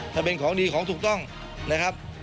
ถ้าเป็นของดีของถูกต้องนะครับ